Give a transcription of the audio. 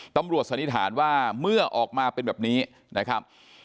ตำรวจสนิทานว่าเมื่อออกมาเป็นแบบนี้นะครับ